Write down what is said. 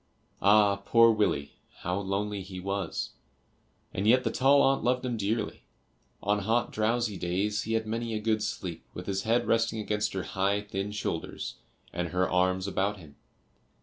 Ah, poor Willie, how lonely he was, and yet the tall aunt loved him dearly. On hot drowsy days he had many a good sleep with his head resting against her high thin shoulders, and her arms about him.